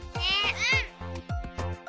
うん！